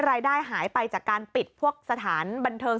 รายได้หายไปจากการปิดพวกสถานบันเทิง